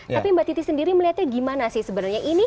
tapi mbak titi sendiri melihatnya gimana sih sebenarnya